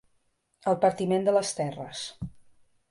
El partiment de les terres.